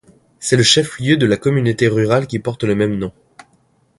C'est le chef lieu de la communauté rurale qui porte le même nom.